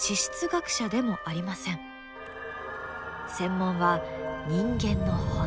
専門は人間の骨。